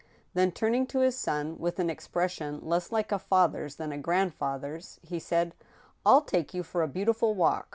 Then, turning to his son with an expression less like a father's than a grandfather's, he said :" I'll take you for a beautiful walk.